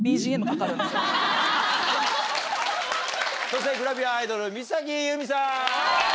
そしてグラビアアイドル水咲優美さん！